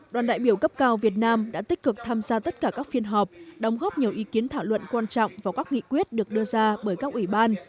đoàn đại biểu cấp cao việt nam đã tích cực tham gia tất cả các phiên họp đóng góp nhiều ý kiến thảo luận quan trọng vào các nghị quyết được đưa ra bởi các ủy ban